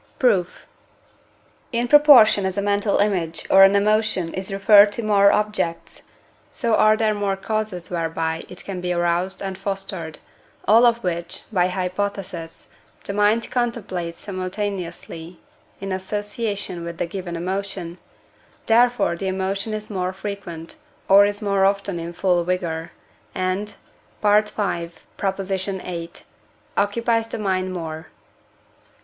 Proof. In proportion as a mental image or an emotion is referred to more objects, so are there more causes whereby it can be aroused and fostered, all of which (by hypothesis) the mind contemplates simultaneously in association with the given emotion; therefore the emotion is more frequent, or is more often in full vigour, and (V. viii.) occupies the mind more.